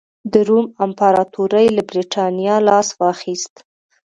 د روم امپراتورۍ له برېټانیا لاس واخیست